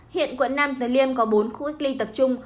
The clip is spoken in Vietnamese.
hiện quận nam từ liêm có bốn khu cách ly tập trung